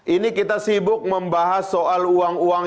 ini kita sibuk membahas soal uang uang